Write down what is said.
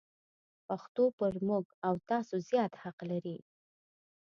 پښتو پر موږ او تاسو زیات حق لري.